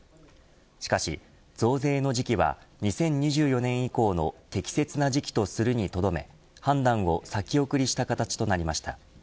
しかし増税の時期は２０２４年以降の適切な時期とするにとどめ判断を先送りした形となりました。